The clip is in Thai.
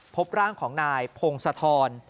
พบร่างของนายพงศธร